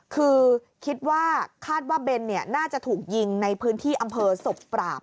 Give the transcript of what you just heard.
คือคิดว่าคาดว่าเบนน่าจะถูกยิงในพื้นที่อำเภอศพปราบ